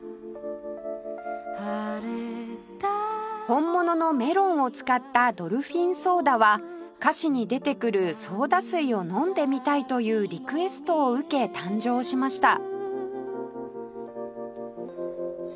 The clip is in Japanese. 本物のメロンを使ったドルフィンソーダは「歌詞に出てくるソーダ水を飲んでみたい」というリクエストを受け誕生しました